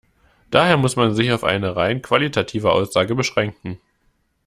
Daher muss man sich auf eine rein qualitative Aussage beschränken.